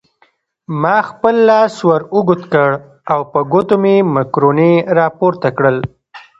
ما خپل لاس ور اوږد کړ او په ګوتو مې مکروني راپورته کړل.